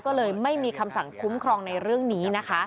ก็เลยไม่มีคำสั่งคุ้มครองในเรื่องนี้นะคะ